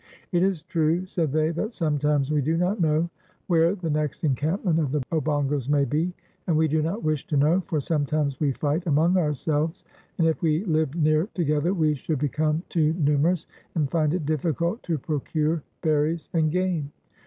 "It is true," said they, "that sometimes we do not know where the next encampment of the Obongos may be, and we do not wish to know, for sometimes we fight among ourselves, and if we lived near together we should become too numerous, and find it difficult to procure berries and game.